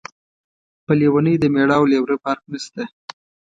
په لیونۍ د مېړه او لېوره فرق نشته.